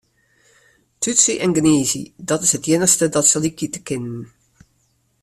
Tútsje en gnize, dat is it iennichste dat se lykje te kinnen.